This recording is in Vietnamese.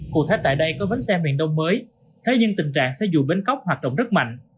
cụ thể tại đây có bến xe miền đông mới thế nhưng tình trạng xe dù bến cóc hoạt động rất mạnh